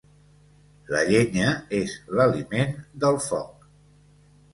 La llenya és l'aliment del foc.